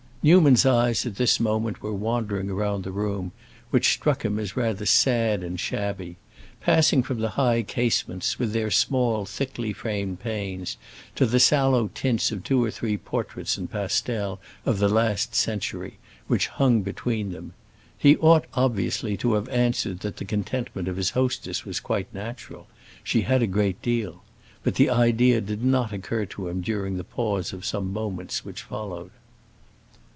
Newman's eyes, at this moment, were wandering round the room, which struck him as rather sad and shabby; passing from the high casements, with their small, thickly framed panes, to the sallow tints of two or three portraits in pastel, of the last century, which hung between them. He ought, obviously, to have answered that the contentment of his hostess was quite natural—she had a great deal; but the idea did not occur to him during the pause of some moments which followed.